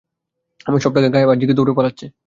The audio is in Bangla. আমার সব টাকা গায়েব আর জিগি দৌড়ে পালাচ্ছে!